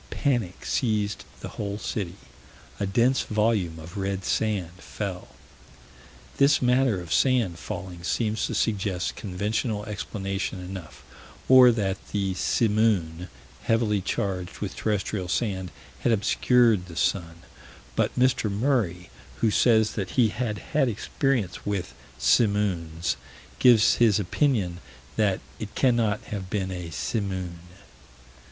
"Panic seized the whole city." "A dense volume of red sand fell." This matter of sand falling seems to suggest conventional explanation enough, or that a simoon, heavily charged with terrestrial sand, had obscured the sun, but Mr. Murray, who says that he had had experience with simoons, gives his opinion that "it cannot have been a simoon."